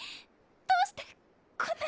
どうしてこんな。